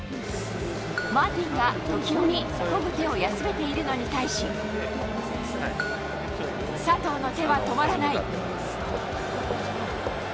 マーティンが時折こぐ手を休めているのに対し、佐藤の手は止まらない。